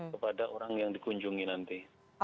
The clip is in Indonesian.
kepada orang yang dikunjungi nanti